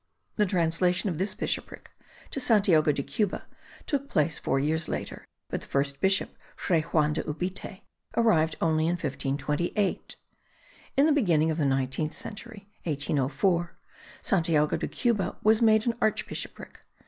The translation of this bishopric to Santiago de Cuba, took place four years later; but the first bishop, Fray Juan de Ubite, arrived only in 1528. In the beginning of the nineteenth century (1804), Santiago de Cuba was made an archbishopric.